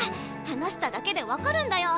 話しただけで分かるんだよ。